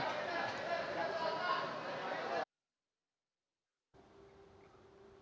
tidak ada yang berangkat